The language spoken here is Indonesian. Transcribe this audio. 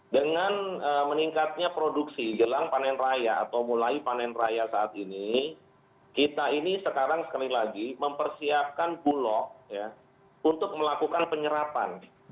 dengan meningkatnya produksi jelang panen raya atau mulai panen raya saat ini kita ini sekarang sekali lagi mempersiapkan bulog untuk melakukan penyerapan